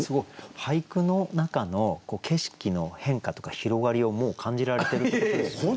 俳句の中の景色の変化とか広がりをもう感じられてるってことですよね。